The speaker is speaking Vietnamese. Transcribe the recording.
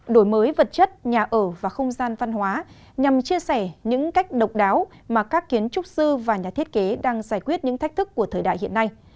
đổi mới vật chất nhà ở và không gian văn hóa nhằm chia sẻ những cách độc đáo mà các kiến trúc sư và nhà thiết kế đang giải quyết những thách thức của thời đại hiện nay